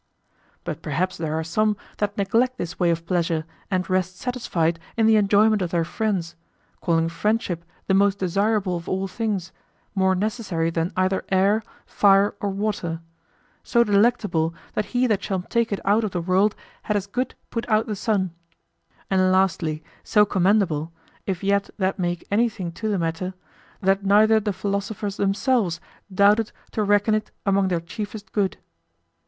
But perhaps there are some that neglect this way of pleasure and rest satisfied in the enjoyment of their friends, calling friendship the most desirable of all things, more necessary than either air, fire, or water; so delectable that he that shall take it out of the world had as good put out the sun; and, lastly, so commendable, if yet that make anything to the matter, that neither the philosophers themselves doubted to reckon it among their chiefest good.